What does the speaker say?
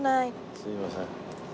すいません。